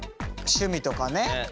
趣味とかね。